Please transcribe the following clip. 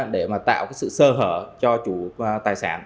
để mà tạo cái sự sơ hở cho chủ tài sản